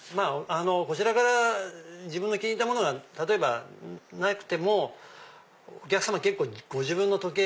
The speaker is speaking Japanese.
こちら自分の気に入ったものが例えばなくてもお客さまご自分の時計